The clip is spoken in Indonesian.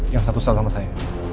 yang satu sel sama saya